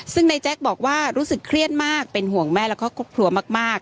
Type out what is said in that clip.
ซึ่งนายแจ๊คบอกว่ารู้สึกเครียดมากเป็นห่วงแม่แล้วก็ครอบครัวมาก